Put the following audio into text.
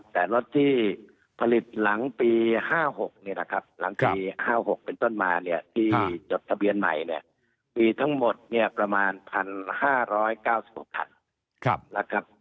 แต่รถที่ผลิตหลังปี๕๖เป็นต้นมาที่จบทะเบียนใหม่ปีทั้งหมดประมาณ๑๕๙๖คัน